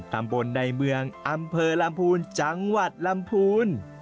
ตำบลในเมืองอำเภอลำพูนจังหวัดลำพูน